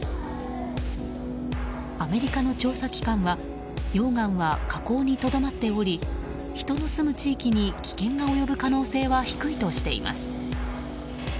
アメリカの調査機関は溶岩は火口にとどまっており人の住む地域に危険が及ぶ可能性は低いとしています。